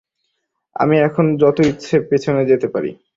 আমি এখন যত ইচ্ছে পেছনে যেতে পারি।